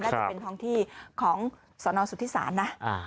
น่าจะเป็นท้องที่ของสนสุธิศาลนะ